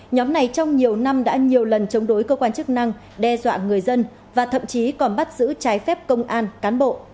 nhóm này trong nhiều năm đã nhiều lần chống đối cơ quan chức năng đe dọa người dân và thậm chí còn bắt giữ trái phép công an cán bộ